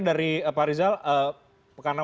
dari pak rizal karena